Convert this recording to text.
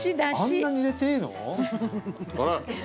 あんなに入れていいの？